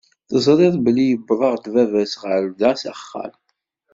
Teẓriḍ belli yiweḍ-aɣ-d baba-s ɣer da s axxam?